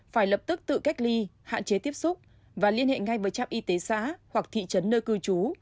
phải lập tức tự cách ly hạn chế tiếp xúc và liên hệ ngay với trạm y tế xã hoặc thị trấn nơi cư trú